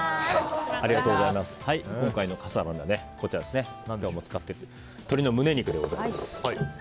今回の笠原の眼は何度も使っている鶏胸肉でございます。